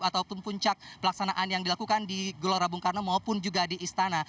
ataupun puncak pelaksanaan yang dilakukan di gelora bung karno maupun juga di istana